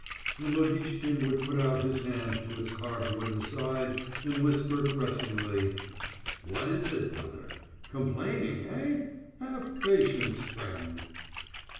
And Lodishkin would put out his hand to its carved wooden side and whisper caressingly: "What is it, brother? Complaining, eh!... Have patience, friend...."